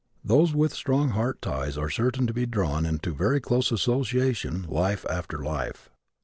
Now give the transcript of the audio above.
Those with strong heart ties are certain to be drawn into very close association life after life.